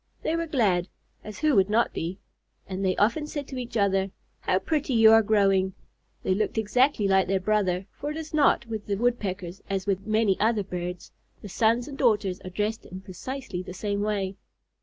They were glad (as who would not be?) and they often said to each other: "How pretty you are growing!" They looked exactly like their brother, for it is not with the Woodpeckers as with many other birds, the sons and daughters are dressed in precisely the same way.